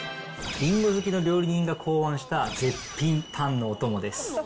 りんご好きの料理人が考案した絶品パンのお供です。